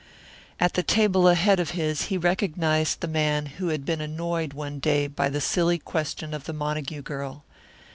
At the table ahead of his he recognized the man who had been annoyed one day by the silly question of the Montague girl.